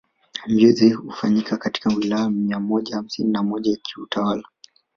Mbio izo ufanyika katika Wilaya mia moja hamsini na moja za kiutawala